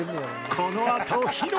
このあと披露！